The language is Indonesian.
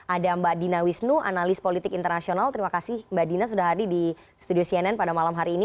ada mbak dina wisnu analis politik internasional terima kasih mbak dina sudah hadir di studio cnn pada malam hari ini